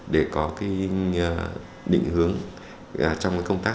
để có cái định hướng trong công tác